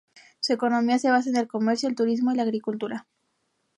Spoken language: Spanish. Su economía se basa en el comercio, el turismo y la agricultura.